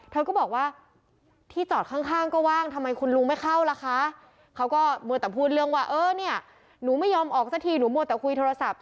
เธอก็บอกว่าที่จอดข้างก็ว่างทำไมคุณลุงไม่เข้าล่ะคะเขาก็มัวแต่พูดเรื่องว่าเออเนี่ยหนูไม่ยอมออกสักทีหนูมัวแต่คุยโทรศัพท์